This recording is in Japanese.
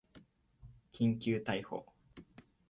緊急逮捕